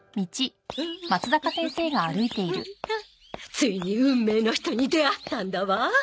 ついに運命の人に出会ったんだわ！